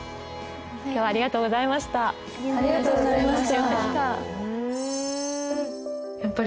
今日はありがとうございましたありがとうございました